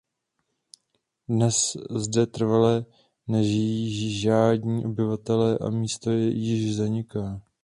Dnes zde trvale nežijí žádní obyvatelé a místo již zaniká.